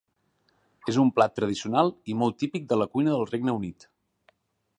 És un plat tradicional i molt típic de la cuina del Regne Unit.